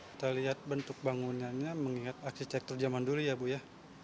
kita lihat bentuk bangunannya mengingat arsitektur zaman dulu ya bu ya